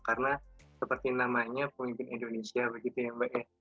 karena seperti namanya pemimpin indonesia begitu ya mbak ya